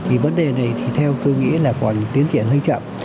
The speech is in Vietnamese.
vì vấn đề này thì theo tôi nghĩ là còn tiến triển hơi chậm